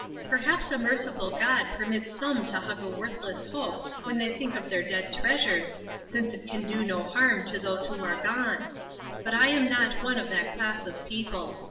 "Perhaps a merciful God permits some to hug a worthless hope when they think of their dead treasures, since it can do no harm to those who are gone; but I am not one of that class of people.